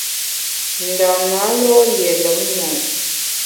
Ndam na lo’ lié lùm mo’.